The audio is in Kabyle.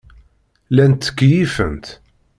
Llant ttkeyyifent.